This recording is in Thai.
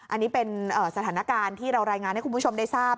อันนี้เป็นสถานการณ์ที่เรารายงานให้คุณผู้ชมได้ทราบ